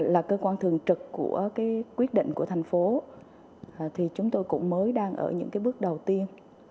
là cơ quan thường trực của cái quyết định của thành phố thì chúng tôi cũng mới đang ở những cái bước đầu tiên